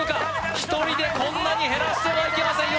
１人でこんなに減らしてはいけませんよ